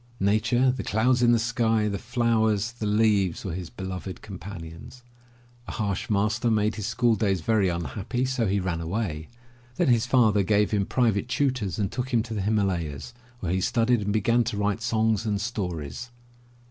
Nature, the clouds in the sky, the flowers, the leaves, were his beloved companions. A harsh master made his school days very unhappy, so he ran away. Then his father gave him pri vate tutors and took him to the Himalayas where he studied and began to write songs and stories.